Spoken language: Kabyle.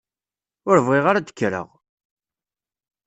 Ur bɣiɣ ara ad d-kkreɣ!